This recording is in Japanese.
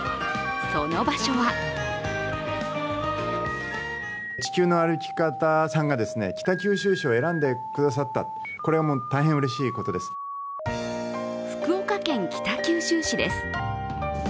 その場所は福岡県北九州市です。